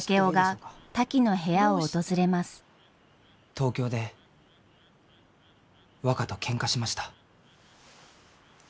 東京で若とけんかしました。